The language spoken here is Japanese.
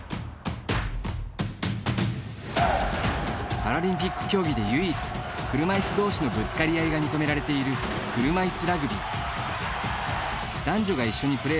パラリンピック競技で唯一車いす同士のぶつかり合いが認められている、車いすラグビー。